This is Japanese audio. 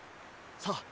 さあ